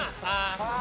ああ。